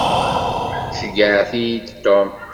Ceyyɛet-iyi-d Tom.